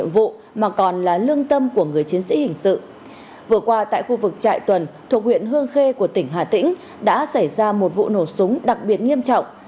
vừa qua tại khu vực trại tuần thuộc huyện hương khê của tỉnh hà tĩnh đã xảy ra một vụ nổ súng đặc biệt nghiêm trọng